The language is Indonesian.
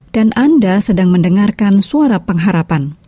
dan anda sedang mendengarkan suara pengharapan